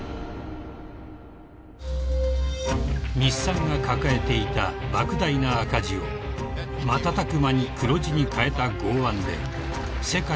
［日産が抱えていた莫大な赤字を瞬く間に黒字に変えた剛腕で世界を驚かせた男］